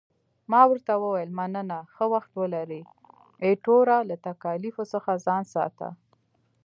ما ورته وویل، مننه، ښه وخت ولرې، ایټوره، له تکالیفو څخه ځان ساته.